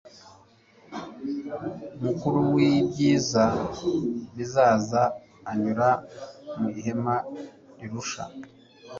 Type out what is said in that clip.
mukuru w ibyiza bizaza anyura mu ihema rirusha